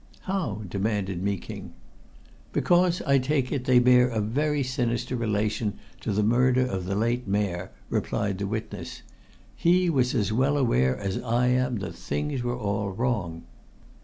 "How?" demanded Meeking. "Because, I take it, they bear a very sinister relation to the murder of the late Mayor," replied the witness. "He was as well aware as I am that things were all wrong."